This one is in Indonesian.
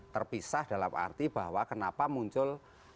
terpisah dalam arti bahwa kenapa muncul